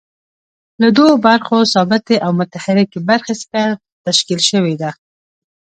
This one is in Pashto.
له دوو برخو ثابتې او متحرکې برخې څخه تشکیل شوې ده.